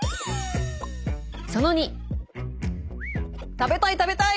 食べたい食べたい！